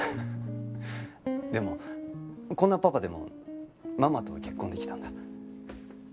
でもこんなパパでもママと結婚できたんだ。